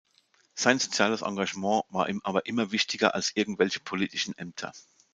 Sein soziales Engagement war ihm aber immer wichtiger als irgendwelche politischen Ämter.